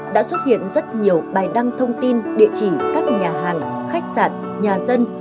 đã xuất hiện rất nhiều bài đăng thông tin địa chỉ các nhà hàng khách sạn nhà dân